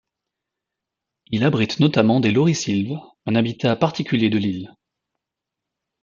Il abrite notamment des laurisylves, un habitat particulier de l'île.